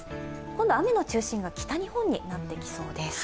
今度、雨の中心が北日本になってきそうです。